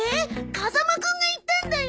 風間くんが言ったんだよ。